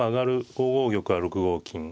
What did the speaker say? ５五玉は６五金。